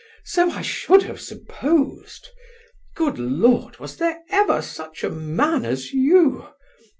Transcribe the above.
So I should have supposed. Good Lord, was there ever such a man as you?